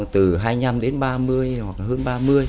từ hai mươi năm đến ba mươi hoặc là hơn ba mươi